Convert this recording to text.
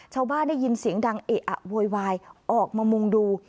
ชาวบ้านได้ยินเสียงดังเออะโวยวายออกมามุงดู